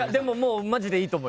マジでいいと思う。